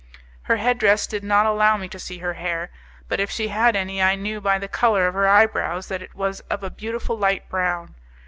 Her head dress did not allow me to see her hair, but if she had any I knew by the colour of her eyebrows that it was of a beautiful light brown.